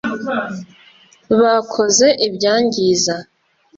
Bakoze ibyangiza